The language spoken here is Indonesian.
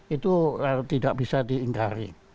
itu tidak bisa diingkari